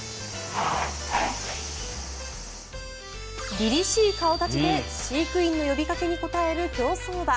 りりしい顔立ちで飼育員の呼びかけに応える競走馬。